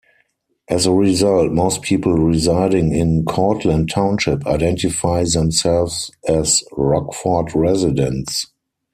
As a result, most people residing in Courtland Township identify themselves as Rockford residents.